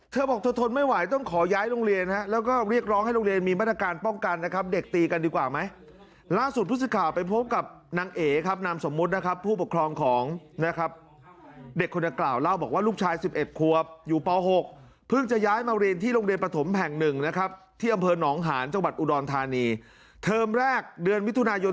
เธอบอกเธอทนไม่ไหวต้องขอย้ายโรงเรียน